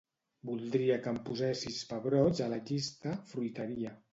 Voldria que em posessis pebrots a la llista "fruiteria".